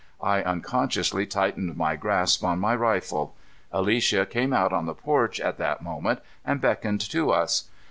I unconsciously tightened my grasp on my rifle. Alicia came out on the porch at that moment and beckoned to us.